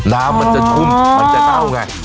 น้ำมันจะชุ่มมันจะเน่าไง